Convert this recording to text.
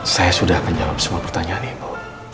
saya sudah akan jawab semua pertanyaan ibu